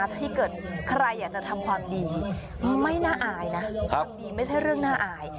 ถ้าเกิดใครอยากจะทำความดีไม่น่าอายนะความดีไม่ใช่เรื่องน่าอาย